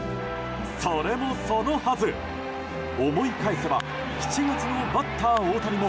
それもそのはず、思い返せば７月のバッター大谷も